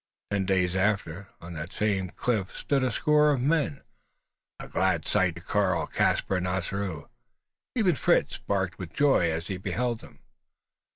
Ten days after, on that same cliff stood a score of men a glad sight to Karl, Caspar, and Ossaroo. Even Fritz barked with joy as he beheld them!